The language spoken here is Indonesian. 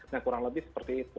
nah kurang lebih seperti itu